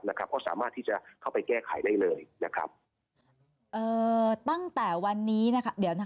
เพราะสามารถที่จะเข้าไปแก้ไขได้เลย